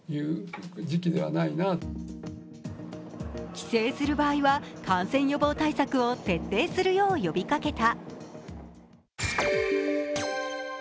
帰省する場合は感染予防対策を徹底するよう呼びかけた。